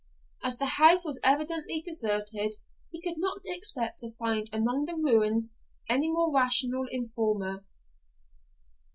As the house was evidently deserted, he could not expect to find among the ruins any more rational informer.